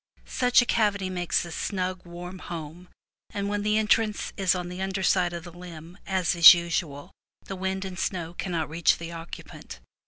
Such a cavity makes a snug, warm home, and when the entrance is on the under side of the limb, as is usual, the wind and snow cannot reach the occupant.